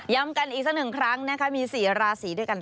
กันอีกสักหนึ่งครั้งนะคะมี๔ราศีด้วยกัน